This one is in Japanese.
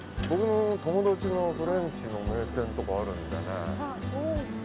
僕の友達のフレンチの名店とかあるんでね。